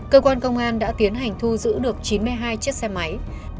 cơ quan công an đã tiến hành thu giữ được chín mươi hai chiếc xe máy